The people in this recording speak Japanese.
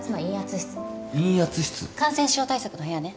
陰圧室？感染症対策の部屋ね。